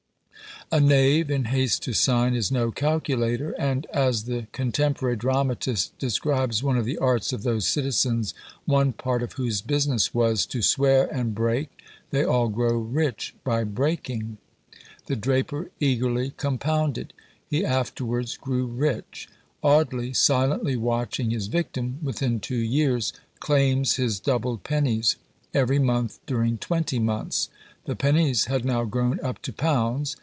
A knave, in haste to sign, is no calculator; and, as the contemporary dramatist describes one of the arts of those citizens, one part of whose business was To swear and break: they all grow rich by breaking! the draper eagerly compounded. He afterwards "grew rich." Audley, silently watching his victim, within two years, claims his doubled pennies, every month during twenty months. The pennies had now grown up to pounds.